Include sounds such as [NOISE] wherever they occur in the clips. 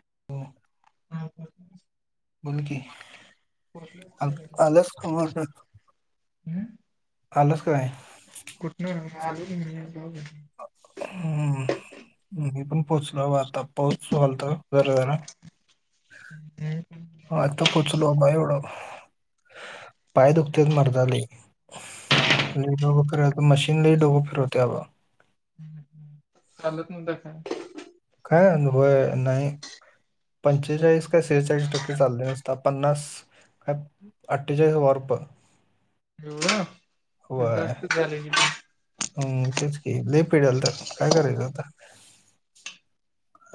[INAUDIBLE] हा बोल की, पोचलाच काय घरला कालच [UNINTELLIGIBLE] कालस काय? कुठनं [UNINTELLIGIBLE] हम्म, मी पण पोहोचलो बा आता पाऊस सुरू झालता. जरा जरा [UNINTELLIGIBLE] ह आता पोचलो बाबा एवढं पाय दुखत्यात मर्दा लय, लय डोक फिरत मशीन लय डोक फिरवत्या बघ हूं चालत [UNINTELLIGIBLE] काय काय अनुभव हाय नाही पंचेचाळीस का सेहेचाळीस टक्के चालले नुसता पन्नास आठ अट्ठेचाळीस वार्प एवढ, हे वय जास्तच झालंय की, म हम्म, तेच की लय पिडलत. काय करायचं आता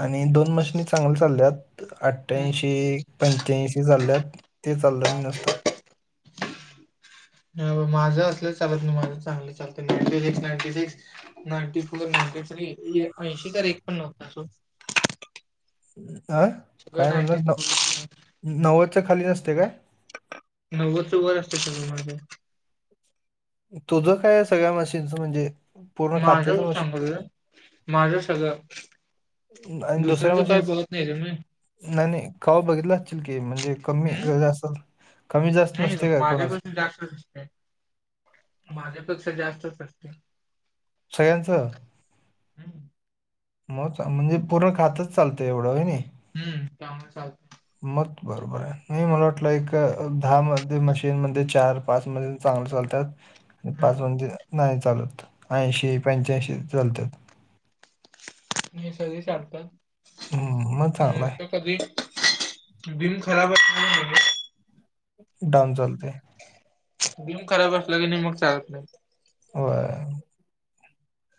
आणि दोन मशीनी चांगल्या चालल्यात. आठ्ठयांशी पंच्याऐंशी चाल्यात ते चाललं न नुसता न्हवं माझं असलंच चालत नी, माझं चांगलं चालत ninety six ninety six ninety four, ninety three, ये ऐंशी तर एक पण नव्हता सोड अं सगळं काय नाईंटी म्हणलास न नव्वदच्या खाली नसते काय? नव्वदच्या वर असत सगळ माझ. तुझं काय सगळ्या मशीनचं म्हणजे पूर्ण माझ खात्याचं मशीन चागलं, माझं सगळं दुसर्यांचे काय बहत नाही रे मी. नाही-नाही कावा बघितला असतील की म्हणजे कमी हम्म जास्त, कमी जास्त नाही नसते काय कोणाचे माझ्यापेक्षा जास्तच असते. माझ्यापेक्षा जास्तच असते. सगळ्यांचं. हम्. मग म्हणजे पूर्ण खातच चालतंय एवढं व्हय नाही. हम्म काम चालतं. मग बरोबर आहे नाही मला वाटलं एक दहा मध्ये मशीन मध्ये चार-पाच मध्ये चांगली चालतात. आणि पाच हम्म मधी नाही चालत ऐंशी, पंच्याऐंशी चालत. [INAUDIBLE] मी सगळी चालतात हम्म मग चांगला आहे. नुसतं कधी? दिल थोड्या वेळाने [INAUDIBLE] [UNINTELLIGIBLE] डाऊन चालते. बिम खराब असला की नाही मग चालत नाही. होय.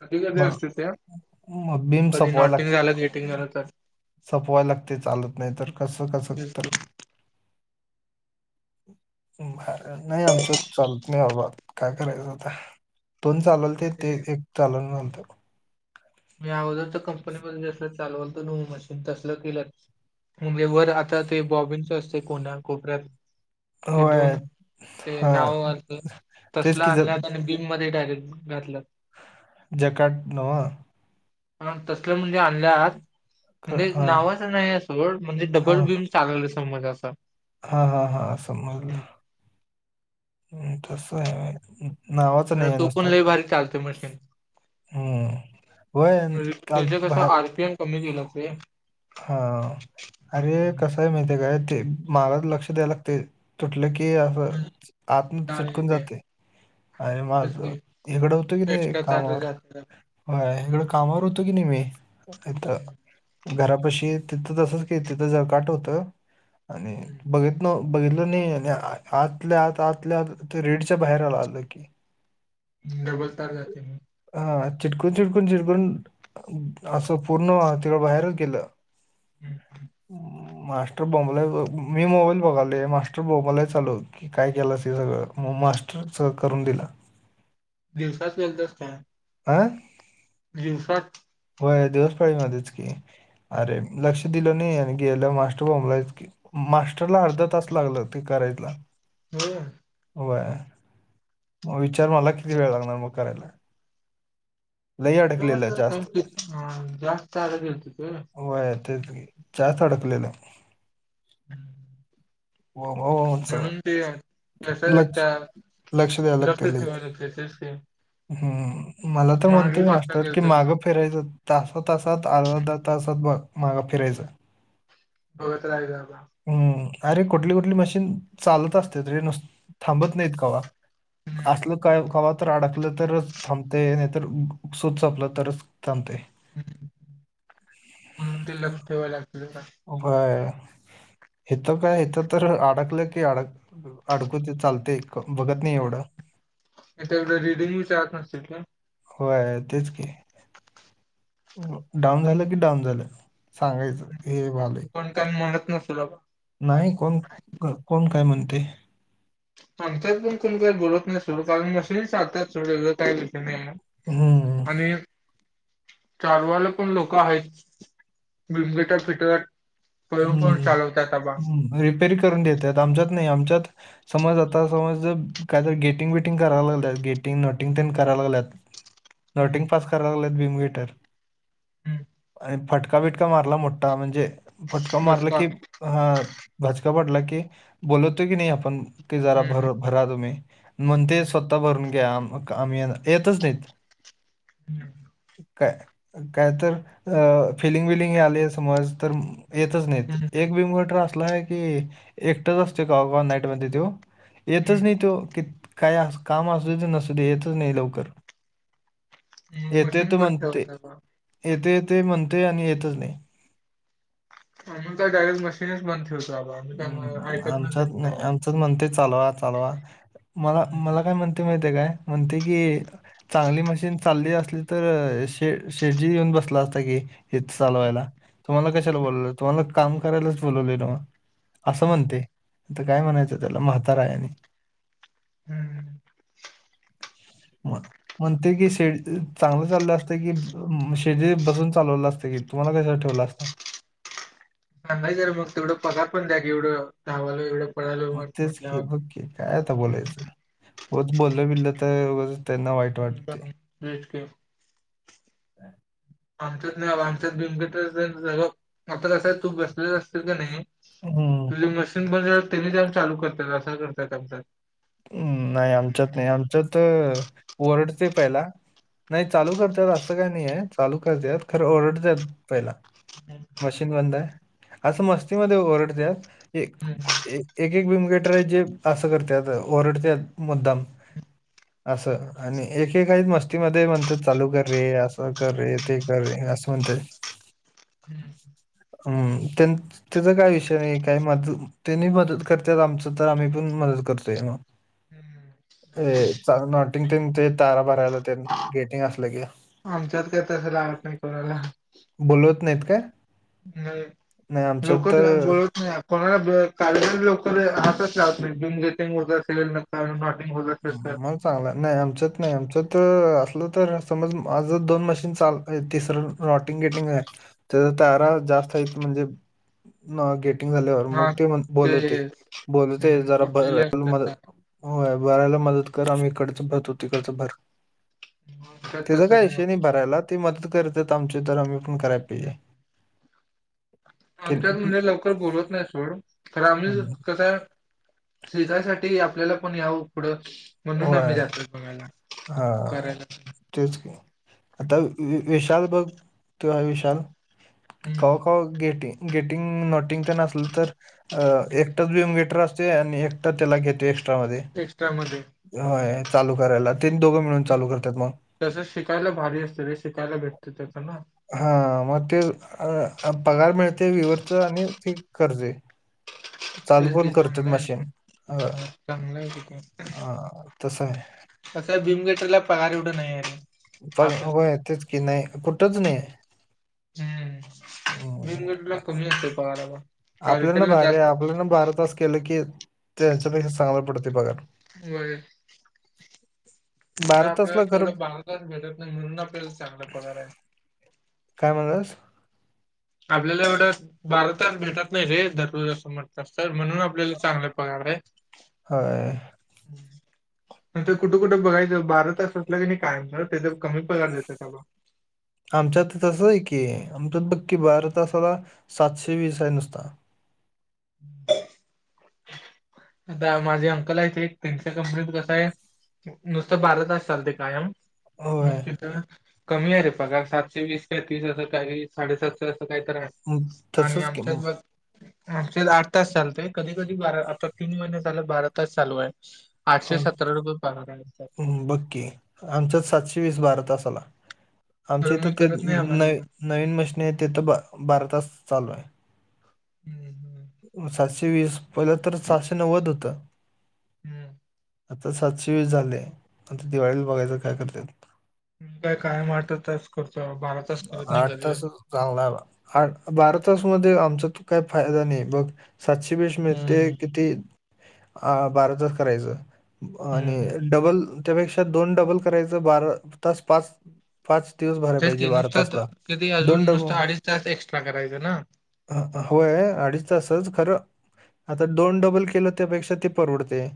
कधी कधी म असते ते म बीम कधी सपवाय लाग नॉटिंग झालं गेटिंग झालं तर सपवाय लागते चालत नाही तर कसं-कसं तेच तर. की. [UNINTELLIGIBLE] नाही आमच्यात चालत नाही बाबा काय करायचं आता. दोन चालवल ते ते एक चालवून नव्हतं. मी अगोदरच कंपनी मध [UNINTELLIGIBLE] जसल चालवालत नऊ मशीन तसल केलं. म्हणजे वर आता ते बॉबिनचं असते कोणा कोपऱ्यात ते होय दोन ते हा नाव तेच की तसला ज- आणल्यात आणि बीम मध्ये डायरेक्ट घातलं. जकाट नव. हा तसलं म्हणजे आणल्यात ख- म्हणजे हा नावाचं नाही आहे सोड म्हणजे हा डबल बीम चागलं समज असा. हा हा हा समजलं. हम् तस आहे. नावाचं खर नाही आहे तो पण नुसता लय भारी चालते मशीन. हम्म होय [INAUDIBLE] न- म्हणजे काल त्याजा कस बाहेर आरपीएम कमी केलं ते. हा अरे कस हं. आहे माहती काय ते माग लक्ष द्याय लागते. तुटलं की अस आतन तार चिटकून येते जाते. अरे माझ तेच की इकडं होतं की नाही एक्स्ट्रा तार कामावर जाते हा इकडं कामावर होतो की नाही मी तिथ. हं, घरापशी तिथं तसच केलतीत तिथं जकाट होतं आणि हं. बघ मग बघितलं नाही आतल्या आत आतल्या आत ते रिडच्या बाहेर आला आलं की. डबल तार जाते मग. हा चिटकून चिटकून चिटकून असं पूर्ण तेव्हा बाहेरच गेलं. हम् हम्. मास्टर बोंबलालत मी मोबाईल बघालोय मास्टर बोंबलत चलो की काय केलं हे सगळं मग मास्टर सग करून दिला. दिवसात गेलतास काय? आं? दिगसात. होय. दिवस फळीध्येच की, हं, अरे हं. लक्ष दिलं नही. आणि गेला मास्टर बोमलाईच की, मास्टरला अर्धा तास लागला ते करायला [UNINTELLIGIBLE] व्हय, म विचार मला किती वेळ लागणार मग करायला. लई व्हिडीओ अडकलेलं कसला सेंड जास्त केलता. जास्त [UNINTELLIGIBLE] गेलेत त व्हय तेच की, च्यात अडकलेलं. हम्म हो, हो, उंच ते कसं त्या लक्ष द्यायला लागते लई जास्तच [UNINTELLIGIBLE] हम्म, मला तर म्हणतोय आता मास्टर की, गेलतो माग फिरायचं. तास तासात अर्धा अर्धा तासात बघ, मागं फिरायचं बघत रायच आता हम्म, अरे कुठली कुठली मशीन, चालत असत्यात रे, नुस थांबत नाहीत कवा असल. बाबा काय, कवा तर अडकलं तरच थांबतय. नायतर सुत सपलं तरच थांबतय. हूं हूं म्हणून ते लक्ष ठेवाय लागत जरा व्हय. इथं काय इथं तर अडकलं की अडक म अडकू दे चालतय कोण बगत न हम्म, त्यात एवढ रीडिंग विचारत नसतील काय? होय. तेच की डाऊन झालं की, डाऊन झालं, सांगायचं, हे व्हालोय. पण म्हणत नसतील बाबा नाही कोण, कोण काय म्हणतय? आमच्यात पण कोण काय बोलत नाय सोड, कारण मशीनरी चालतात सगलीकडं काय विषय नाय ये. हम्म आणि चालवायला पण लोक आहेत. बिन मीटर फिटर पळून पण चालवत आता बा रिपेरी करून देत्यात. आमच्यात नाय आमच्यात समज आता समज, जर कायतर गेटिंग बेटिंग करायला लागल, गेट टिंग नोटिंग हम्म तेनं कराय लागल्यात. हम्म नोटिंग पास करा लागल्यात बिन मिटर हम्म. त्यानं फटका बिटका मारला मोठा, म्हणजे फटका बस मारला का की, हा भाजका पडला की, बोलवतोय की नाय आपण, ते जरा हम्म हम्म भर भरा तुम्ही, मंग ते स्वतः भरून घ्या, म क आम्ही, येतच नाहीत. हम्म काय काय तर, अ फिलिंग बिलिंग आलीये समज तर येतच नाहीत, हम्म हम्म एक बीमटर असला की, एकटच असतोय कवा कवा नाईट मध्ये त्यो येतच हम्म नाही तो, कीत काय काम असू दे, नसू दे, येतच नाही लवकर. हम्म. येते मशीन येतो बंद म्हणतोय, ठेवायचं आबा. येतो येतो म्हणतोय आणि येतच नाय. आम्ही तर डायरेक्ट मशीनच बंद ठेव हम्म, आमच्यात नाय, आमच्यात म्हणतोय चालवा चालवा, मला हम्म मला काय म्हण तय माहितीय काय, म्हणतय की, चांगली मशीन चालली असली तर, शे शेडजीच येऊन बसला असता की, हेच चालवायला. तुम्हाला कशाला बोलवलं, तुम्हाला काम करायलाच बोलवलय न्हवं. असं हम्म म्हणतय, आता काय म्हणायचं त्याला म्हातारा हाय आणि हम्म. मग. म्हणतय की, शेडजी चांगलं चाललं असतं की, शेडजी बसून चालवलं असतं की, तुम्हाला कशाला ठेवलं असतं. सांगायच्या आगोदर तेवढं पगार पण द्या एवढं, चांगलं मग तेच की, बघकी, काय आता बोलायचं, ऊगच बोललं बिललं तर उगचऽ ् बेचकंऽ [UNINTELLIGIBLE] आमच्यात नाही, बाबा, आमच्यात [UNINTELLIGIBLE] मग आता कसं आहे तू बसलेला असतास का नाही, हम्म. तुझे मशीन बरं तेनी जाऊन चालू करतात असं करतात आमच्यात हम्म नाही आमच्यात नाही आमच्यात वरडतय पहिला नाही चालू करत्यात असं काही नाही आहे चालू करत्यात खरं ओरडत्यात पहिला हम्म, मशीन बंद आहे असं मस्तीमध्ये ओरडत्यात एक एक एक बिमगेटर आहेत ते असं करत्यात ओरडत्यात मुद्दाम ह असं आणि एक एक आहेत मस्तीमध्ये म्हणतात चालू कर रे असं कर रे ते कर रे असं म्हणत्यात हम् हम्म त्यांचं त्याचा काही विषय नाही काय मद त्यांनी मदत करत्यात आमचं तर आम्ही पण मदत करतोय मग हम् ह ते चालू नॉटिंग तेन ते तारा भरायला तेन गेटिंग असलं कि आमच्यात काय तसं लावत नाही कोणाला बोलवत नाहीत का नाही लोकं तेज्यात बोलत नाही आप कोणाला का लवरे हातच ला बिम गेटिंग व सेल न नॉटिंग व [UNINTELLIGIBLE] कसं काय चांगलं हाय नाही आमच्यात नाही आमच्यात तर असलं तर समज माझं दोन मशीन चालत तिसरंन नाॅटिंग गेटिंग आहे त्याच्या तारा जास्त आहेत म्हणजे नाॅ गेट ग झाल्यावर मग हा त्यो बोलवतोय ते बोलवतोय हम्म जरा ब तुटलेले नाॅटींग असतात तारा झाल्यावर होय भरायला मदत कर आम्ही इकडचं भरतो तु तिकडचं भर आमच्यात तेजा तसं काय विषय नाही भरायला ती मदत करतात आमची तर आम्ही पण कराय हम्म. पाहिजे ते आमच्यात म्हणजे हम्म. लवकर बोलवत नाही सोड खरं आम्ही कसं आहे शेजारसाठी आपल्याला पण यावं पुढं म्हणून आम्ही जातोय बघायला हा करायला तेच की आता विशाल बघ तो आहे विशाल कवा हम्म कवा गेटिं गेटिंग नॉटिंग तेन असल तर अ एकटाच बीमगेटर असतोय आणि एकटा त्याला गेटेस्ट त्यामध्ये एक्स्ट्रा मध्ये हा.. हम्म चालू करायला ते दोघं मिळून चालू करतात मग तसं शिकायला भारी असतं रे शिकायला भेटत त्याचा ना हा हा मग अ अ ते पगार मिळतय येतय आणि ते करतय तेच ते चांगलं आहे ना मशीन चांगलं आहे की ते तसं आहे कसं आहे बीमगेटरला पगार एवढं नाही आहे रे पगार हो आपल्या तेच की नाही कुठंच नाही हाय हम्म बीमगेटरला कमी असतोय पगार बाबा कॅरीगेटरला जास्त असतोय बारातास केलं की त्यांच्यापेक्षा चांगला पडतोय पगार होय तिथं बारा आपल्याला तासला खरं तेवढं बाहेर का भेटत नाही म्हणून आपल्याला चांगलं पणार आहे काय म्हणलास आपल्याला एवढं बारातास भेटत नाही रे धरलूं असं मग तसंच म्हणून आपल्याला चांगला पगार आहे. होय हम नंतर कुठे कुठं बघायचं बारा तास असलं कनी कायमचं त्याच्यात कमी पगार देत्यात बाबा आमच्यात तसंच आहे की आमच्यात बघ की बारा तसाला सातशे वीस आहे नुसता आता माझे अंकल आहेत ते त्यांच्या कंपनीत कसं आहे नुसतं बारातास चालतय कायम मग होय तिथं कमी आहे रे पगार सातशे वीस का तीस असं काही साडेसातशे असं काही तर आहे म, आणि तसंच की आमच्यात म, बघ आमच्यात आठ तास चालतय कधी कधी बारा आता तीन महिना झालं बारा तास चालू आहे आठशे हो, सतरा रुपये पागार आले त्यात बघ की आमच्याच सातशे वीस बारातासाला तर आमच्या इथं मी ते अ करत अ नाही आबा नवी एवढं नवीन मशनी आहेत तिथं ब बारातास चालू आहे. हम् हम सातशे वीस पहिलं तर सहाशे नव्वद होतं. हम्म आता सातशे वीस झालय आता ते दिवाळीला बघायचं काय करत्यात. मी काय कायम आठच तास करतोय बाबा बारातास करत नाही आठ कधी तास चांगला आहे बाबा आठ बारातासमध्ये आमचा तर काही फायदा नाही बघ. सातशे बीस मिळतय हम्म किती आ बारातास करायचं. आणि हम्म. डबल- त्यापेक्षा दोन डबल करायचं बारा तास पाच पाच दिवस भरायचं तेच की नुसत त किती अजून नुसतं अडीच तास एक्स्ट्रा करायचं ना ह हो हो अडीच तासच खरं आता दोन डबल केलं त्यापेक्षा ते परवडतय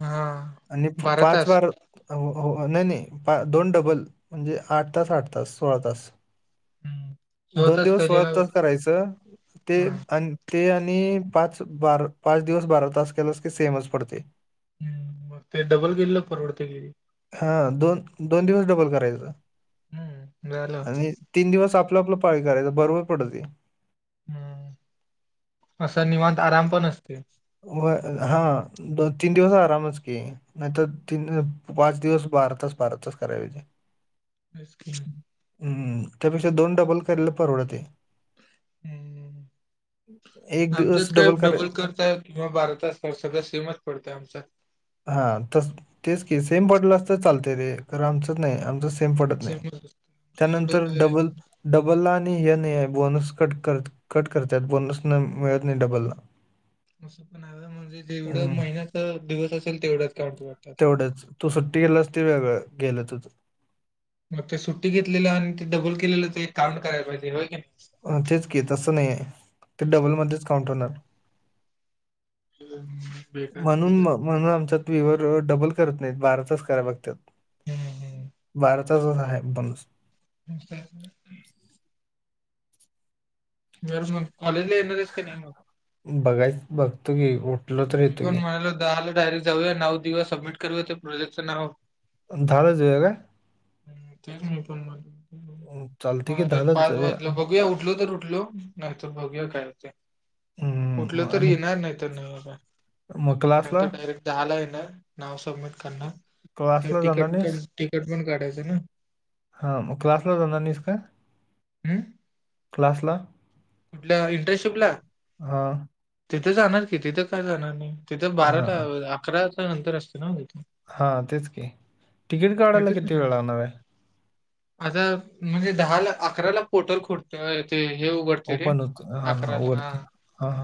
हा. आणि प बारा पाच तास वार हो हो नाही नाही पा दोन डबल म्हणजे आठ तास आठ तास सोळा तास हम्म सोळा दोन तास दिवस सोळा केलेला तास करायचं ते हा अन ते आणि पाच बारा पाच दिवस बारा तास केलास की सेमच पडतय हम्म मग ते डबल केलेलं परवडतय की रे हा दोन दोन दिवस डबल करायचं हम्म झालं आणि तीन दिवस आपलं आपलं पाळी करायचं बरोबर पडत ते हम्म असा निवांत आराम पण असतोय व हा दोन तीन दिवस आरामच की नाहीतर तीन पाच दिवस बारातास बारातास कराय पाहिजे बेस कि मग हम त्यापेक्षा दोन डबल केलेलं परवडतय हम् एक दिवस आमच्यात काय कर डबल करतायत किंवा बारातास काय सगळं सेमच पडतंय आमच्यात हा तस तेच की सेम पडलं असत असलं चालतय रे खरं आमच्यात नाही आमच्यात सेम पडत नाही सेमच असतं आमचं एवढं त्यानंतर काय डबल डबलला आणि हे नाहीये बोनस कट करत्यात कट करत्यात बोनस नाही मिळत नाही डबल ला असं पण आहें म्हणजे जेवढं हम्म महिन्याचा दिवस असेल तेवढंच काउंट वाटतं तेवढंच तू सुट्टी घेतलास ते वेगळं गेलं तूज मग ते सुट्टी घेतलेलं आणि ते डबल केलेलं ते एक काऊंट करायला पाहिजे होय की नाही तेच की तस नाही आहे ते डबलमध्येच काउंट होणार. नाही बेकार आहे की म्हणून म जरा. म्हणून आमच्यात [UNINTELLIGIBLE] डबल करत नाहीत बाराचाच काळ बघतात. हम्म भारतातच आहे एक माणूस. [INAUDIBLE] [UNINTELLIGIBLE] मग कॉलेजला येणार आहेस की नाही? बघायच बघतो की उठलो तर येतो णकण की. मायला दहाला डायरेक्ट जाऊया नाव देऊया सबमिट करूया त्या प्रोजेक्टच नाव. आणि दहालाच येऊया काय? अं, चालतंय की आरे लाच पाच जाऊया. वाजल बघूया उठलो तर उठ ऊठलो नाही तर बघुया काय ते अं, ऊठलो तर येणार नाहीतर नाही येणार. मोकला. नाहीतर डायरेक्ट दहा ला येणार नाव सबमिट करणार. अस क्लासला जाणार तिकट नाहीस? तिकट पण काढायच न. हां मग क्लासला जाणार नाहीस का? हम्म क्लासला? कुठल्या इंटरशिपला. हां, तिथे जाणार की तिथ का जाणार नाही तिथ बाराला अकराच्या नंतर असते ना [UNINTELLIGIBLE] हा तेच की तिकीट काढायला तिथेच किती जाणार वेळ लागणार आहे? आता म्हणजे दहाला अकराला पोर्टल खोलत तेव्हा ते हे उघडतय रे ओपन होतं हां, अकराला वरती. हां. हां हां